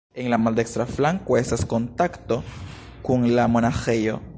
En la maldekstra flanko estas kontakto kun la monaĥejo.